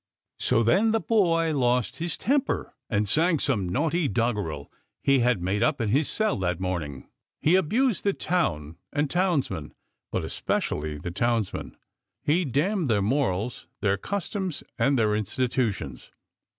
"&> then the boy lost his temper and sang some naughty doggerel he had made up in his cell that morning. He abused the town and townsmen, but especially the townsmen. He damned their morals, their customs, and their institutions.